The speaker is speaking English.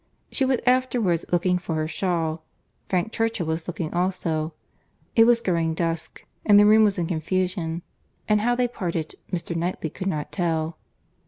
She was afterwards looking for her shawl—Frank Churchill was looking also—it was growing dusk, and the room was in confusion; and how they parted, Mr. Knightley could not tell.